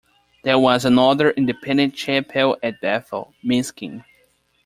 There was another Independent chapel at Bethel, Miskin.